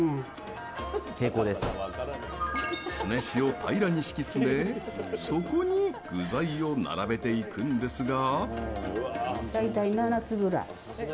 酢飯を平らに敷き詰めそこに具材を並べていくんですが。